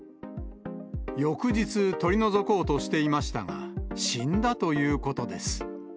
翌日、取り除こうとしていましたが、死んだということです。